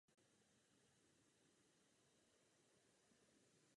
Tyto otázky je třeba dořešit, má-li proces hladce pokračovat.